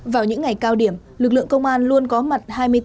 vào những ngày cao điểm lực lượng công an luôn đảm bảo an ninh trật tự